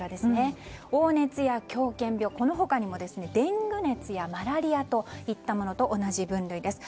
黄熱や狂犬病この他にも、デング熱やマラリアといったものと同じ分類です。